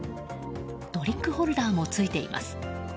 ドリンクホルダーもついています。